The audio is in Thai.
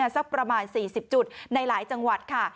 สักประมาณ๔๐จุดในหลายจังหวัดค่ะ